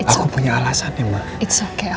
aku punya alasan ya mama